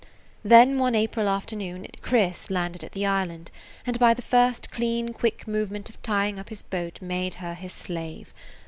Then one April afternoon Chris landed at the island, and by the first clean, quick movement of tying up his boat made her his slave.